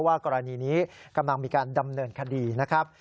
กรณีนี้กำลังมีการดำเนินคดีนะครับ